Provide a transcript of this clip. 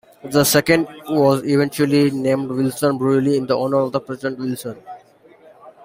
The second was eventually named Wilson Boulevard in honor of President Wilson.